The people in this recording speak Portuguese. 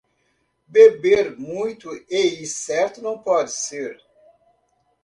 Beber muito e ir certo não pode ser.